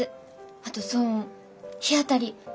あと騒音日当たり。